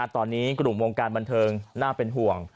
ตอนนี้กลุ่มวงการบันเทิงน่าเป็นห่วง